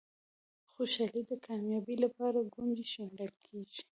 خوشالي د کامیابۍ لپاره کونجي شمېرل کېږي.